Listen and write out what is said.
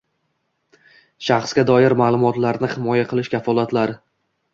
Shaxsga doir ma’lumotlarni himoya qilish kafolatlari